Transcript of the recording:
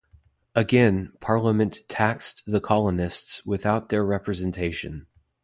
Again, Parliament taxed the colonists without their representation.